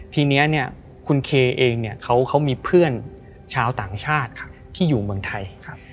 ทีนี้เนี่ยคุณเคเองเนี่ยเขามีเพื่อนชาวต่างชาติที่อยู่เมืองไทย